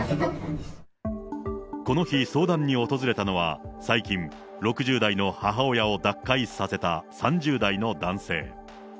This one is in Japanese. この日、相談に訪れたのは最近、６０代の母親を脱会させた３０代の男性。